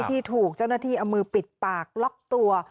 ที่ถูกเจ้าหน้าที่เอามือปิดปากล็อกตัว